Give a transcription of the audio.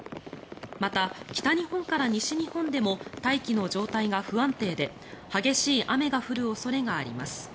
また、北日本から西日本でも大気の状態が不安定で激しい雨が降る恐れがあります。